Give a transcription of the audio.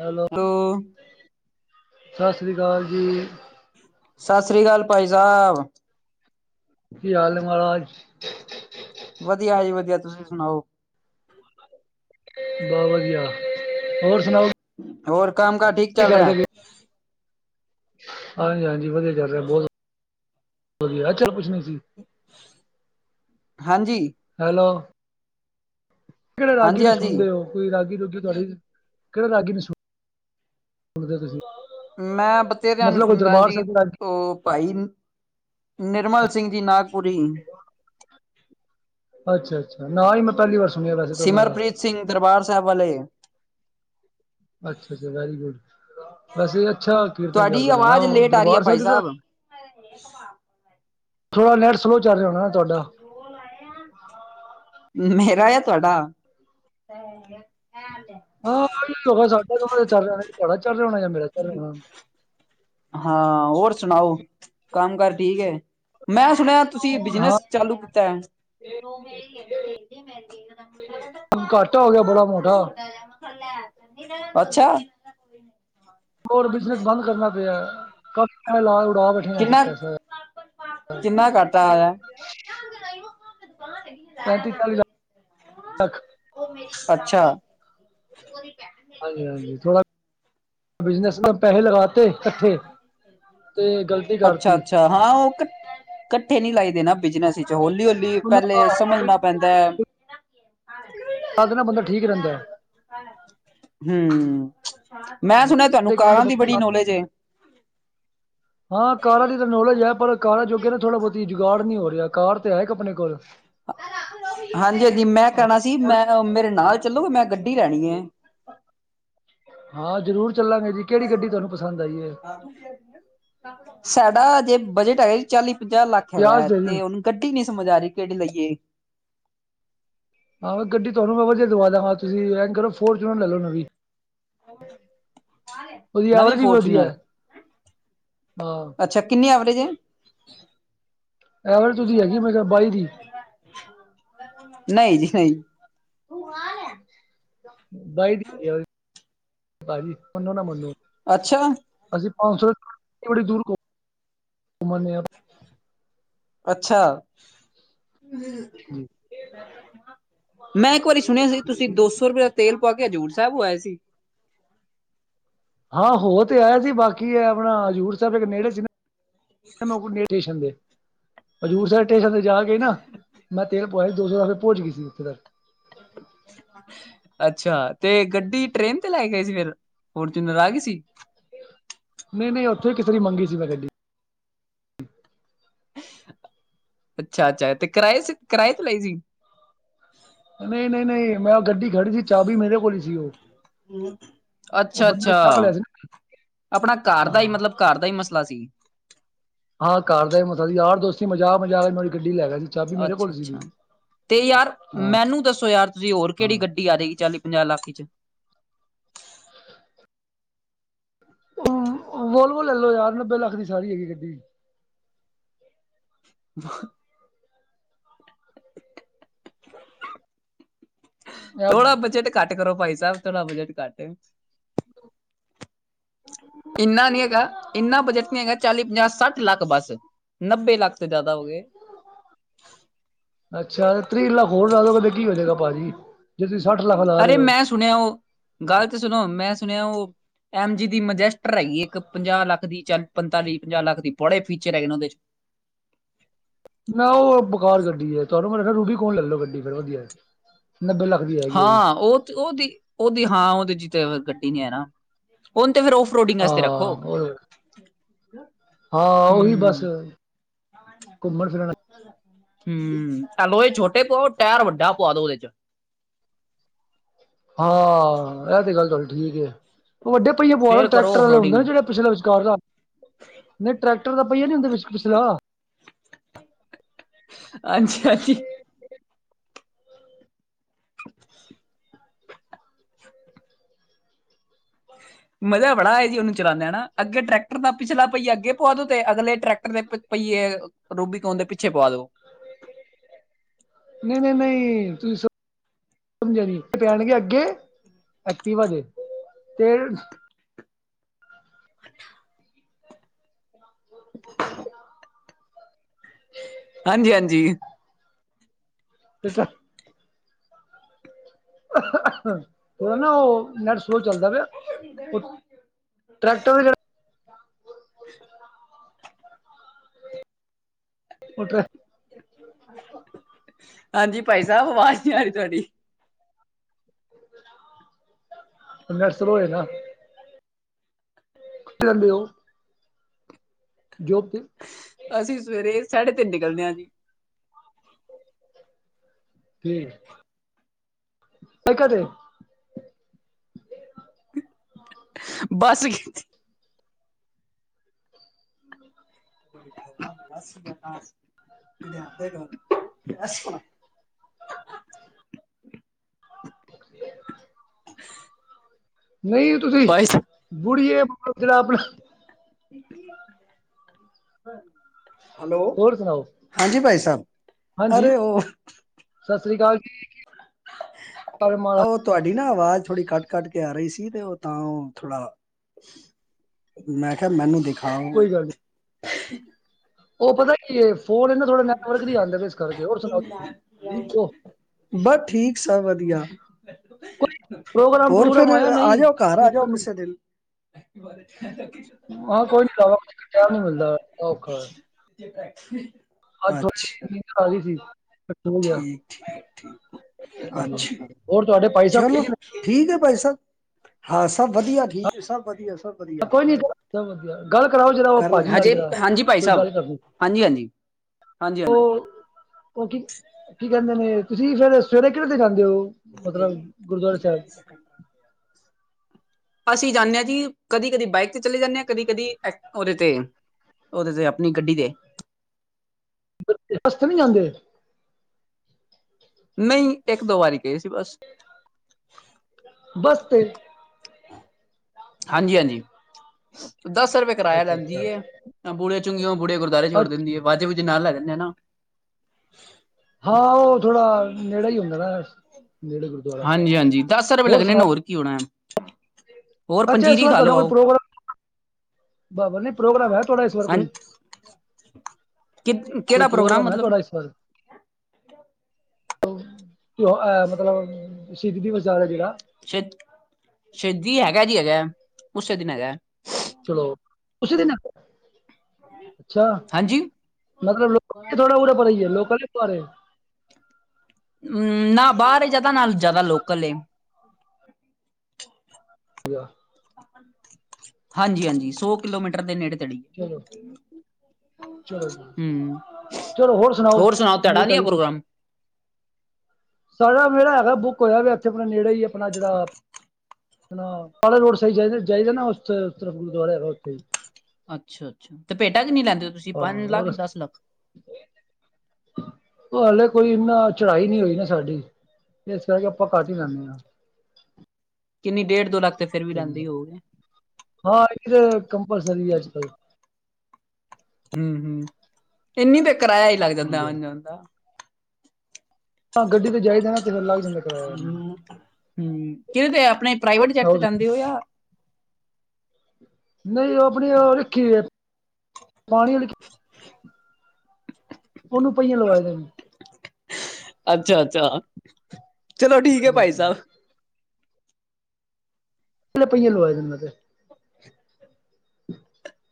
Hello, ਸਤਿ ਸ੍ਰੀ ਅਕਾਲ ਜੀ। ਸਤਿ ਸ਼੍ਰੀ ਅਕਾਲ ਭਾਈ ਸਾਹਿਬ। ਕੀ ਹਾਲ ਨੇ ਮਹਾਰਾਜ। ਵਧੀਆ ਜੀ ਵਧੀਆ ਤੁਸੀਂ ਸੁਣਾਓ? ਬਸ ਵਧੀਆ ਹੋਰ ਸੁਣਾਓ? ਹੋਰ ਕੰਮ ਕਾਰ ਠੀਕ, ਕੀ ਚੱਲ ਕਰਦੇ ਰਿਹਾ? ਪੇਉ। ਹਾਂਜੀ- ਹਾਂਜੀ ਵਧੀਆ ਚੱਲ ਰਿਹਾ ਬਹੁਤ ਵਧੀਆ ਏ ਚੱਲ ਪੁਛਨੀ ਸੀ। ਹਾਂਜੀ ਹੈਲੋ, ਕਿਹੜੇ ਰਾਗੀ ਹਾਂਜੀ, ਨੂੰ ਹਾਂਜੀ। ਸੁਣਦੇ ਓ। ਕੋਈ ਰਾਗੀ ਰੁਗੀ ਤੁਹਾਡੀ ਕਿਹੜਾ ਰਾਗੀ ਨੂੰ ਸੁਣਦੇ ਤੁਸੀਂ। ਮੈਂ ਬਥੇਰਿਆਂ ਨੂੰ ਮਤਲਬ ਕੋਈ ਸੁਣਦਾ ਦਰਬਾਰ ਜੀ ਸਾਹਿਬ ਰਾਗੀ ਓ, ਭਾਈ ਨਿਰਮਲ ਸਿੰਘ ਜੀ ਨਾਗਪੁਰੀ। ਅੱਛਾ-ਅੱਛਾ, ਨਾ ਈ ਮੈਂ ਪਹਿਲੀ ਵਾਰ, ਸੁਣਿਆ ਵੈਸੇ ਤਾਂ ਉਹਨਾਂ ਦਾ ਸਿਮਰਪ੍ਰੀਤ ਸਿੰਘ ਦਰਬਾਰ ਸਾਹਿਬ ਵਾਲੇ। ਅੱਛਾ ਅੱਛਾ, ਵੈਰੀ ਗੁੱਡ ਵੈਸੇ ਅੱਛਾ ਕੀਰਤਨ ਤੁਹਾਡੀ ਕਰਦੇ ਨੇ ਨਾ ਆਵਾਜ਼ ਓ ਲੇਟ ਆ ਰਹੀ ਹੈ ਦਰਬਾਰ ਭਾਈ ਸਾਹਿਬ। ਥੋੜ੍ਹਾ ਨੈਟ ਸਲੋਅ ਚੱਲ ਰਿਹਾ ਹੋਣਾ ਤੁਹਾਡਾ। [inaudible] ਮੇਰਾ ਆ ਤੁਹਾਡਾ [inaudible] ਹੈਲੈ ਹਾਂ ਸਾਡਾ ਚੱਲ ਜਾਣਾ ਬੜਾ ਚੱਲ ਜਾ ਹੋਣਾ। ਮੇਰਾ ਚੱਲ ਹੂੰ ਰਿਹਾ ਹੋਣਾ ਹਾਂ ਹੋਰ ਸੁਣਾਓ ਕੰਮ ਕਾਰ ਠੀਕ ਏ ਮੈਂ ਸੁਣਿਆ ਤੁਸੀਂ ਹਾਂ ਬਿਜਨਸ ਚਾਲੂ ਕੀਤਾ। ਘਾਟਾ ਹੋ ਗਿਆ ਬੜਾ ਮੋਟਾ [unintelligible] ਅੱਛਾ ਹੋਰ ਬਿਜਨਸ ਬੰਦ ਕਰਨਾ ਪਿਆ ਕਾਫੀ ਲਾ ਉਡਾ ਬੈਠੇ ਹ ਅਸੀਂ ਪੈਸਾ ਜਿੰਨਾ ਘਾਟਾ ਆਇਆ। ਪੈਂਤੀ ਚਾਲੀ ਲੱਖ ਅੱਛਾ ਹਾਂਜੀ -ਹਾਂਜੀ ਥੋੜ੍ਹਾ ਬਿਜਨਸ ਨਾ ਪੈਹੇ ਲਗਾਤੇ ਕੱਠੇ ਤੇ ਗਲਤੀ ਅੱਛਾ ਕਰਤੀ। ਅੱਛਾ ਹਾਂ ਉਹ ਕੱਠੇ ਨਹੀਂ ਲਾਈਦੇ ਨਾ ਬਿਜਨਸ ਵਿੱਚ ਹੌਲੀ -ਹੌਲੀ ਉਹਨਾਂ ਦਾ ਪਹਿਲੇ ਹਵਾ ਵੀ ਸਮਝਣਾ ਪੈਂ ਦੈ ਤਾਂ ਦੇ ਬੰਦਾ ਠੀਕ ਰਹਿੰਦਾ ਹੈ। ਹੂੰ ਮੈਂ ਸੁਣਿਆ ਤੁਹਾਨੂੰ ਦੇ ਕੰਮ ਤੇ ਕਾਰਾਂ ਦੀ ਬੰਦਾ ਬੜੀ ਲਾ ਨੌਲੇਜ ਏ। ਹਾਂ ਕਾਰਾ ਦੀ ਤਾਂ ਨੌਲੇਜ ਹੈ ਪਰ ਕਾਰਾ ਜੋ ਕਿ ਨਾ ਥੋੜ੍ਹਾ ਬਹੁਤੀ ਜੁਗਾੜ ਨਹੀਂ ਹੋ ਰਿਹਾ। ਕਾਰ ਤੇ ਹੈ ਇੱਕ ਆਪਣੇ ਕੋਲ ਹਾਂਜੀ -ਹਾਂਜੀ ਮੈਂ ਹਾਂ, ਕਹਿਣਾ ਸੀ ਥੋੜ੍ਹੀ- ਮੈਂ ਮੇਰੇ ਨਾਲ ਚੱਲੋਗੇ ਮੈਂ ਗੱਡੀ ਲੈਣੀ ਏ। ਹਾਂ ਜ਼ਰੂਰ ਚੱਲਾਂਗੇ ਜੀ ਕਿਹੜੀ ਗੱਡੀ ਤੁਹਾਨੂੰ ਪਸੰਦ ਆਈ ਏ। ਸਾਡਾ ਜੇ ਬਜਟ ਹੈਗਾ ਚਾਲੀ ਪੰਜਾਹ ਲੱਖ ਪਿਆਸ ਹੈਗਾ ਦੇ ਜੀ ਤੇ ਉਹਨ ਗੱਡੀ ਨੀ ਸਮਝ ਆ ਰਹੀ ਕਿਹੜੀ ਲਈਏ। ਹਾਂ ਗੱਡੀ ਤੁਹਾਨੂੰ ਮੈਂ ਵਧੀਆ ਦਵਾਂਗਾ ਤੁਸੀਂ ਇਂਝ ਕਰੋ ਫੋਰਚੂਨ ਲੈ ਲੋ ਨਵੀ ਉਹਦੀ ਨਵੀਂ ਐਵਰੇਜ ਫੋਰਚੂਨਰ ਆ ਅੱਛਾ ਕਿੰਨੀ ਐਵਰੇਜ ਏ। ਐਵਰੇਜ ਉਹਦੀ ਹੈਗੀ ਮੇਰੇ ਖਿਆਲ ਬਾਈ ਦੀ ਨਹੀਂ ਜੀ ਨਹੀਂ ਵਾਈਟ [inaudible] ਭਾਜੀ ਮੰਨੋ ਨਾ ਮੰਨੋ। ਅੱਛਾ ਅਸੀਂ ਪੰਜ ਸੌ ਬੜੀ ਦੂਰ ਘੁੰਮ- ਘੁੰਮ ਆਣੇ ਆ। ਅੱਛਾ ਭਾਜੀ ਮੈਂ ਇੱਕ ਵਾਰੀ ਸੁਣਿਆ ਸੀ ਤੁਸੀਂ ਦੋ ਸੌ ਰੁਪਆ ਤੇਲ ਪਾ ਕੇ ਹਜ਼ੂੂਰ ਸਾਹਿਬ ਆਏ ਸੀ। ਹਾਂ ਹੋ ਤੇ ਆਇਆ ਸੀ ਬਾਕੀ ਹੈ ਆਪਣਾ ਹਜ਼ੂਰ ਸਾਹਿਬ ਦੇ ਨੇੜੇ ਸੀ ਨਾ। ੇਸ਼ਨਦੇ ਹਜ਼ੂਰ ਸਾਹਿਬ ਸਟੇਸ਼ਨ ਤੇ ਜਾ ਕੇ ਨਾ ਮੈਂ ਤੇਲ ਪਵਾਆ ਸੀ ਦੋ ਸੌ ਰ ਭਹਜ ਗਈ ਸੀ ਉੱਥੇ ਤੱਕ ਹ ਅੱਛਾ ਤੇ ਗੱਡੀ ਟ੍ਰੇਨ ਤੇ ਲੈ ਗਏ ਸੀ ਫਿਰ ਹੋਰ ਜ ਨਰਾਗ ਸੀ ਨਹੀਂ ਨਹੀਂ ਉੱਥੇ ਕਿਸੇਰੀ ਮੰਗੀ ਸੀ ਮੈਂ ਗੱਡੀ ਅੱਛਾ -ਅੱਛਾ ਤੇ ਕਿਰਾਏ 'ਚ ਕਿਰਾਏ ਲਏ ਸੀ। ਨਹੀਂ- ਨਹੀਂ -ਨਹੀਂ ਮੈਂ ਗੱਡੀ ਖੜੀ ਸੀ ਚਾਬੀ ਮੇਰੇ ਕੋਲ ਹੀ ਸੀ ਉਹ ਉਹ ਅੱਛਾ ਬੰਦੇ ਨੇ -ਅੱਛਾ ਚੱਕ ਲਿਆ ਸੀ ਨਾ ਆਪਣਾ ਘਰ ਦਾ ਹੀ ਹਾਂ ਮਤਲਬ ਘਰ ਦਾ ਈ ਮਸਲਾ ਸੀ। ਹਾਂ ਘਰ ਦਾ ਹੀ ਮਸਲਾ ਸੀ ਯਾਰ ਦੋਸਤੀ ਮਜ਼ਾਕ -ਮਜਾਕ ਇਹਨਾਂ ਦੀ ਗੱਡੀ ਲੈ ਗਏ ਸੀ ਚਾਬੀ ਮੇਰੇ ਅੱਛਾ ਕੋਲ ਸੀ। ਅੱਛਾ ਤੇ ਯਾਰ ਮੈਨੂੰ ਦੱਸੋ ਯਾਰ ਤੁਸੀਂ ਹੋਰ ਕਿਹੜੀ ਗੱਡੀ ਆ ਜਾਏਗੀ ਚਾਲੀ ਪੰਜਾਹ ਲੱਖ ਇਚ ਵੋਲਵੋ ਲੈ ਲਓ ਯਾਰ ਨੱਬੇ ਲੱਖ ਦੀ ਸਾਰੀ ਹੈਗੀ ਗੱਡੀ [inaudible] ਥੋੜਾ ਬਜਟ ਘੱਟ ਕਰੋ ਭਾਈ ਸਾਹਿਬ ਥੋੜਾ ਬਜਟ ਘੱਟ [inaudible] ਇੰਨਾ ਨੀ ਹੈਗਾ ਇੰਨਾ ਬਜਟ ਨਹੀਂ ਹੈਗਾ ਚਾਲੀ ਪੰਜਾਹ ਸੱਠ ਲੱਖ ਬਸ ਨੱਬੇ ਲੱਖ ਤੇ ਜ਼ਿਆਦਾ ਹੋ ਗਏ ਅੱਛਾ ਤ੍ਰੀਹ ਲੱਖ ਹੋਰ ਲਾ ਦਿਓ ਕਹਦੇ ਕੀ ਹੋ ਜਾਗਾ ਭਾ ਜੀ ਜੇ ਤੁਸੀਂ ਸੱਠ ਲੱਖ ਲਾ ਅਰੇ ਰਹੇ ਹੋ ਮੈਂ ਸੁਣਿਆ ਉਹ ਗਲਤ ਸੁਣੋ ਮੈਂ ਸੁਣਿਆ ਉਹ ਐਮ ਜੀ ਦੀ ਮਜੈਸਟਰ ਹੈਗੀ ਇੱਕ ਪੰਜਾਹ ਲੱਖ ਦੀ ਚਾਲ ਪੰਤਾਲੀ ਪੰਜਾਹ ਲੱਖ ਦੀ ਬੜੇ ਫੀਚਰ ਹੈਗੇ ਨੇ ਉਹਦੇ ਨਾ ਉਹ ਬੁਖਾਰ ਗੱਡੀ ਹੈ ਤੁਹਾਨੂੰ ਮੈਂ ਰੂਬੀ ਕੌਣ ਲੈ ਲ ਲੋ ਗੱਡੀ ਫੇਿਰ ਵਧੀਆ ਨੱਬੇ ਲੱਖ ਦੀ ਹੈ ਹਾਂ ਉਹ ਉਹਦੀ ਉਹਦੀ ਹਾਂ ਉਹਦੇ ਚ ਤੇ ਕੱਢਡੀ ਨੀ ਹੈ ਨਾ ਹੁਣ ਤੇ ਫਿਰ ਓਫਰੋਡਿੰਗ ਵਾਸਤੇ ਰੱਖੋ ਹਾਂ ਹਾਂ ਉਹੀ ਬਸ ਘੁੰਮਣ ਫਿਰਨ [unintelligible] [inaudible] ਹਮ ਐਲੋ ਇਹ ਛੋਟੇ ਪਾਆਓ ਟਾਇਰ ਵੱਡਾ ਪਾਆ ਦੋ ਉਹਦੇ ਚ ਹਾਂ ਇਹ ਤੇ ਗੱਲ ਚੱਲ ਠੀਕ ਉਹ ਵੱਡੇ ਪਹੀਆਂ ਪ ਫੇਰ ਕਰੋ ਟਰੈਕਟਰ ਆਫ ਵਾਲੇ ਹੁੰਦੇ ਨੇ ਰੋਡਿੰਗ ਜਿਹੜੇ ਪਿਛਲਾ ਵਿਚਕਾਰ ਦਾ ਨਹੀਂ ਟਰੈਕਟਰ ਦਾ ਪਹੀਆ ਨੀ ਉਹਦੇ ਵਿੱਚ ਪਿਛਲਾ ਅਾਂਜੀ ਅਜੀ ਮਜ਼ਾ ਬੜਾ ਹੈਆ ਜੀ ਉਹਨੂੰ ਚਲਾਉਂਦੇ ਹੈ ਹਨ ਅੱਗੇ ਟਰੈਕਟਰ ਤਾਂ ਪਿਛਲਾ ਪਈਏ ਅੱਗੇ ਪੁਆਧੋ ਤੇ ਅਗਲੇ ਟਰੈਕਟਰ ਦੇ ਪਈਏ ਰੂਬੀ ਕੌਣ ਦੇ ਪਿੱਛੇ ਪਾ ਦੋ ਨਹੀਂ ਨਹੀਂ ਨਹੀਂ ਤੁਸੀਂ ਸ ਪੈਣਗੇ ਅੱਗੇ ਐਕਟਿਵਾ ਆ ਦੇ ਤੇ [unintelligible] [inaudible] ਹਾਂਜੀ ਹਾਂਜੀ ਤੇ ਤਾਂ ਥੋੜਾ ਨਾ ਉਹ ਨੈਟ ਸਲੋਅ ਚੱਲਦਾ ਪਿਆ ਉਹ ਹ ਟਰੈਕਟਰ ਵੀ [unintelligible] [inaudible] ਉਟਰ ਹਾਂਜੀ ਭਾਈ ਸਾਹਿਬ ਅਵਾਜ਼ ਨਹੀਂੀ ਆ ਰਹੀ ਤੁਹਾਡੀ ਘਰ ਸ ਲੋੋਏ ਨਾ ਕੀ ਕਹਿੰਦੇ ੳ ਜੋਬ ਤੇ ਅਸੀਂ ਸਵੇਰੇ ਸਾਢੇ ਤਿੰਨ ਨਿਕਲਦੇ ਹਾਂ ਜੀ ਹ ਕਦੇ ਬਸ ਗ [unintelligible] [unintelligible] [inaudible] ਨਈ ਤੁਸੀਂ ਭਾਈ ਸਾਹਿਬ ਬੁੜੀਏ ਜੇਹੜਾ ਅਪਣਾ ਹੈਲੋ, ਹੋਰ ਸੁਣਾਓ ਹਾਂਜੀ ਭਾਈ ਸਾਹਿਬ ਹਾਂਜੀ ਅਰੇ ਉਹ ਸਤਿ ਸ੍ਰੀ ਅਕਾਲ ਜੀ, ਪਰ ਮਹਾਰਾ ਉਹ ਤੁਹਾਡੀ ਨਾ ਅਵਾਜ਼ ਥੋੜੀ ਕੱਟ ਕੱਟ ਕੇ ਆ ਰਹੀ ਸੀ, ਤੇ ਉਹ ਤਾਂ ਉਹ ਥੋੜਾ ਮੈਂ ਕਿਹਾਿਆ ਮੈਨੂੰ ਦਿਖਾ ਕੋਈ ਗੱਲ ਨੀ ਉਹ ਪਤਾ ਕੀ ਏ ਫੋਨ ਇਹ ਨਾ ਥੋੜਾ ਨੈਟਵਰਕ ਨੀ ਆਂਦੇ ਪੈ, ਇਸ ਕਰਕੇ ਹੋਰ ਸੁਣਾਓਸੀ ਬਸ ਠੀਕ ਸ ਵਧੀਆ ਪ੍ਰੋਗਰਾਮ ਹੋਰ ਪ੍ਰੋਗਰਾਮ ਫੇਿਰ ਆਇਆ ਆ ਨਹੀਂ ਜਾਓ ਘਰ ਆ ਜਾਓ ਕਿਸੇ ਦਿਨ ਐ ਬ ਹਾਂ ਕੋਈ ਨੀ ਨੀ ਮਿਲਦਾ ਔਖਾ ੈਕ ਅੱਜ ਥੋੀ ਗਈ ਸੀ ਹੋ ਗਿਆ ਠੀਕ ਠੀਕ ਠੀਕ ਹਾਂਜੀ ਅੱਛਾ ਹੋਰ ਤੁਹਾਡੇ ਭਾਈ ਸਾਹਿਬ ਚਲੋ ਠੀਕ ਨੇ ਠੀਕ ਹੈ ਭਾਈ ਸਬ ਹਾਂ ਸਭ ਵਧੀਆ ਠੀਕ ਹੈ ਸਭ ਵਧੀਆ ਸਭ ਵਧੀਆ ਕੋਈ ਨੀ ਸਭ ਵਧੀਆ ਗੱਲ ਕਰਾਓ ਜਿਹੜਾ ਉਹ ਕਰ ਭਾਜੀ ਲੈਣਾ ਨਾਲ ਹਜੇ ਜਿਹੜਾ ਹਾਂਜੀ ਭਾਈ ਕੋਈ ਸਾਹਿਬ ਗੱਲ ਕਰਨ ਹਾਂਜੀ ਹਾਂਜੀ ਹਾਂਜੀ ਹਾਂਜੀ ਉਹ ਕੀ, ਕੀ ਕਹਿੰਦੇ ਨੇ ਤੁਸੀਂ ਫੇਰ ਸਵੇਰੇ ਕਿਹੜੇ ਤੇ ਜਾਂਦੇ ੳ, ਹੋ ਗਏ ਮਤਲਬ ਨੀ ਗੁਰਦੁਆਰੇ ਜੀ ਸਾਹਿਬ ਤੀਹ ਸੈਕਿੰਡ ਅਸੀਂ ਜਾਂਨੇ ਹਾਂ ਜੀ ਕਦੀ ਕਦੀ ਬਾਈਕ ਤੇ ਚਲੇ ਜਾਂਦੇ ਹਾਂ, ਕਦੀ ਕਦੇ ਉਹਦੇ ਤੇ ਉਹਦੇ ਤੇ ਅਪਣੀ ਗੱਡੀ ਤੇ ਹੱਸ ਤੇ ਨੀ ਜਾਂਦੇ ਨਹੀਂ ਇੱਕ ਦੋ ਵਾਰੀ ਗਹੇ ਸੀ ਬਸ ਬਸਤੇ ਹਾਂਜੀ ਹਾਂਜੀ ਦਸ ਰੁਪਏ ਕਿਰਾਇਆ ਅੱਛਾ ਅੱਛਾ ਲੈਂਦੀਏ ਤਾਂ ਬੂੜੇ ਚੁੰੰਗੀਆਂ ਬੂੜੇ ਗੁਰਦੁਆਰੇ ਛੋੜ ਦਿੰਦੀ ਅੱਛਾ ਵਾਜੇ ਬੂਜੇ ਨਾਲ ਲੈੈਂਦੇ ਨਾ ਹਾਂ ਉਹ ਥੋੜਾ ਨੇੜੇ ਹੀ ਹੁੰਦਾ ਨਾ ਨੇੜੇ ਗੁਰਦੁਆਰਾ ਹਾਂਜੀ ਹਾਂਜੀ, ਦਸ ਰੁਪਏ ਲੱਗਣੇ ਹੋਰ ਕੀ ਹੋਣਾ ਐ ਅੱਛਾ, ਇਸ ਵਾਰ ਤੁਹਾਡਾ ਕੋਈ ਪ੍ਰੋਗਰਾਮ ਬਾਬਾ ਨ ਪ੍ਰੋਗਰਾਮ ਹੈ ਤੁਹਾਡਾ ਇਸ ਵਾਰ ਹਾਂ ਕੋਈ ਕਿ ਕੋਈ ਕਿਹੜਾ ਪ੍ਰੋਗਰਾਮ ਹੈ ਮਤਲਬ ਤੁਥਹਾਡਾ ਇਸ ਵਾਰ ਤਿਉਹ ਮਤਲਬ ਸ਼ਹੀਦੀ ਦੀਵਸ ਜ਼ਾ ਰਹੈ ਜਿਹੜਾ ਸ਼ਹੀਦੀ ਹੈਗਾ ਜੀ ਹੈਜਾ, ਉਸੇ ਦਿਨ ਹੈਗਾ ਚਲੋ ਤੁਸੀ ਦਿ ਅੱਛਾ, ਹਾਂਜੀ ਮਤਲਬ ਲੋਕਲ ਥੋੜਾ ਬਰਾ ਪ ਹੀ ਹੈ ਲੋਕਲ ਐ ਬਾਹਰ ਏ ਹਮ ਨਾ ਬਾਹਰ ਜ਼ਿਆਦਾ ਨਾ ਜ਼ਿਆਦਾ ਲੋਕਲ ਏ ਹਾਂਜੀ ਹਾਂਜੀ ਸੌ ਕਿਲੋਮੀਟਰ ਦੇ ਨੇੜੇ ਤੇੜੇ ਈ ਚਲੋ ਚਲੋ, ਹਮ ਚਲੋ ਹੋਰ ਸੁਣਾਓ ਨਵੀ ਤੁਹਾਡਾ ਨੀ ਹੈ ਤਾਜ਼ੀ ਕੁਛ? ਪ੍ਰੋਗਰਾਮ ਸਾਡਾ ਮਿਹੜਾ ਹੈਗਾ ਬੁੱਕ ਹੋਇਆ ਵੀ ਇੱਥੇ ਆਪਣੇ ਨੇੜੇ ਹੀ ਆਪਣਾ ਜਿਹੜਾ ਕੇ ਰੋਡ ਸਾਈਡ ਜਾਦਾ ਗੁਰਦੁਆਰੇ ਉਥੇ ਹੀ ਅੱਛਾ ਅੱਛਾ ਤੇਪੇਟਾ ਕਿਨੀ ਲੈਂਦੇ ੳ ਹਾਂ [unintelligible] ਉਹ ਹਲੇ ਕੋਈ ਇਨਾ ਚੜਾਈ ਨੀ ਹੋਈ ਨਾ ਸਾਡੀ, ਇਸ ਕਰਕੇ ਆਪਾਂ ਕੱਟ ਹੀ ਲੈਂਨੇ ਹਾਂ ਕਿੰਨੀ ਡੇਢ ਦੋ ਲੱਖ ਤੇ ਫੇਰ ਵੀ ਲੈਂਦੇ ਹੀ ਹੋਗੇ ਹਾਂ, ਇਹ ਕਿ ਤੇ ਕਮਪਲਸਰੀ ਆਜ ਕੱਲ ਹਮ ਹਮ ਇੰਨੀ ਤੇ ਕਿਰਾਇਆ ਹੀ ਲੱਗ ਜਾਂਦਾ ਹਾਂਜੀ ਹਾਂਜੀ ਵ ਦਾ ਹਾਂ ਗੱਡੀ ਤੇ ਜਾਈਦਾ ਨਾ ਤੇ ਫਿਰ ਲੱਗ ਜਾਂਦਾ ਕਿਰਾਇਆ ਇੰਨਾ ਹਮ ਕਿਹੜ ਤੇ ਆਪਣੇ ਹੋਰ ਪ੍ਰਾਈਵੇਟ ਜੈਟ ਸੁਣਾਓ ਤੇ ਤੁਸੀਂ? ਜਾਂਦੇ ਹੋ ਜਾਂ ਨਹੀਂ ਉਹ ਆਪਣੀ ਉਹ ਰੱਖੀ ਹੈ ਪਾਣੀ ਉਹਨੂੰ ਪਹੀਆਂ ਲਵਾ ਦੇ ਅੱਛਾ ਅੱਛਾ ਚਲੋ ਠੀਕ ਹੈ ਹਾਂਜੀ ਭਾਈ ਹਾਂਜੀ ਸਾਹਿਬ ਪਲੇ ਪਆਂ ਲ ਲੋਵਾਏ ਮ ਤੇ ਹ